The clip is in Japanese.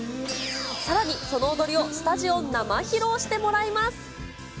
さらに、その踊りをスタジオ生披露してもらいます。